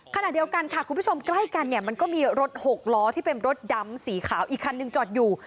ขณะเดียวกันค่ะคุณผู้ชมใกล้กันเนี่ยมันก็มีรถหกล้อที่เป็นรถดำสีขาวอีกคันหนึ่งจอดอยู่